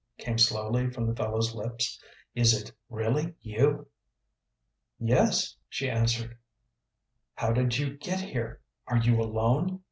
came slowly from the fellow's lips. "Is it really you?" "Yes," she answered. "How did you get here? Are you alone?"